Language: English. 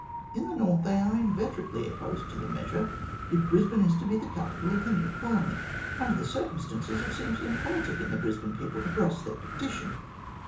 Li the north they are inveterately opposed to the measure, if Brisbane is to be the capital of the new colony. Under the circumstances, it seems impolitic in the Brisbane people to press their petition.